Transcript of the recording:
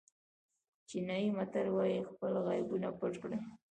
چینایي متل وایي خپل عیبونه پټ کړئ.